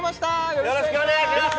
よろしくお願いします